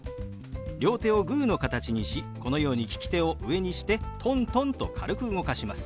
両手をグーの形にしこのように利き手を上にしてトントンと軽く動かします。